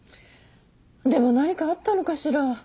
でも何かあったのかしら？